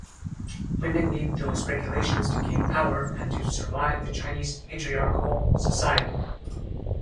Women need those regulations to gain power and to survive the Chinese patriarchal society.